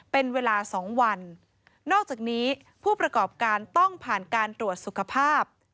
เป็นเวลาสองวันนอกจากนี้ผู้ประกอบการต้องผ่านการตรวจสุขภาพ